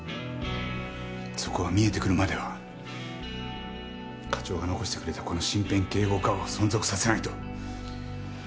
そこが見えてくるまでは課長が遺してくれたこの身辺警護課を存続させないと。